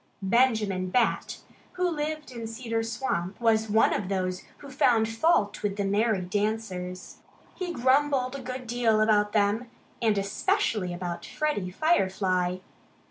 Benjamin Bat, who lived in Cedar Swamp, was one of those who found fault with the merry dancers. He grumbled a good deal about them and especially about Freddie Firefly.